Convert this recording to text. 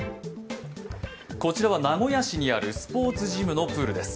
こちらは名古屋市にあるスポーツジムのプールです。